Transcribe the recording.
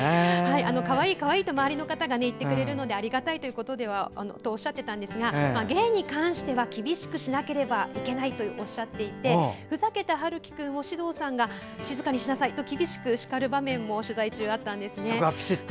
かわいい、かわいいと周りの方が言ってくれるのでありがたいことだとおっしゃっていたんですが芸に関しては厳しくしなければいけないとおっしゃっていてふざけた陽喜君を獅童さんが静かにしなさいと厳しく叱る場面も取材中、あったんですね。